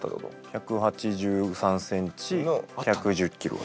１８３ｃｍ１１０ｋｇ。